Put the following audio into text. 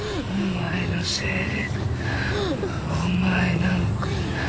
お前なんか。